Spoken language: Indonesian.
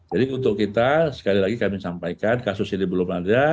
jadi untuk kita sekali lagi kami sampaikan kasus ini belum ada